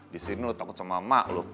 di sini lu takut sama emak lu